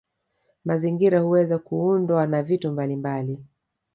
Mazingira huweza kuundwa na vitu mbalimbali